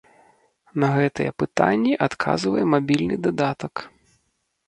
На гэтыя пытанні адказвае мабільны дадатак.